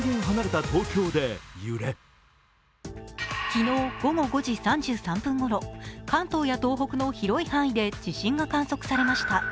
昨日午後５時３３分ごろ、関東や東北の広い範囲で地震が観測されました。